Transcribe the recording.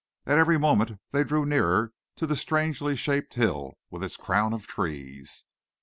At every moment they drew nearer to the strangely shaped hill with its crown of trees.